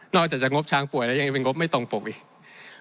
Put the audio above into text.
อกจากจะงบช้างป่วยแล้วยังเป็นงบไม่ตรงปกอีก